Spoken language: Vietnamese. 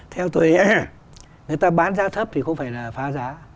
theo tôi à người ta bán giá thấp thì không phải là phá giá